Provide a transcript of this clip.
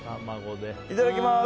いただきます！